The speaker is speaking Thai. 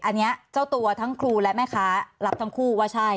อันนี้เจ้าตัวทั้งครูและแม่ค้ารับทั้งคู่ว่าใช่